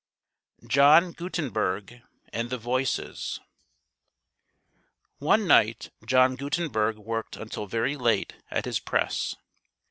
JOHN GUTENBERG AND THE VOICES One night John Gutenberg worked until very late at his press.